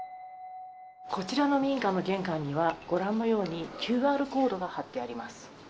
こちらの民家の玄関にはご覧のようにＱＲコードが貼ってあります。